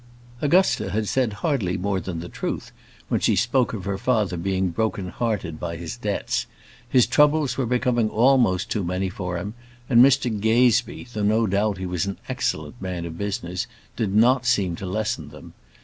Augusta had said hardly more than the truth when she spoke of her father being broken hearted by his debts. His troubles were becoming almost too many for him; and Mr Gazebee, though no doubt he was an excellent man of business, did not seem to lessen them.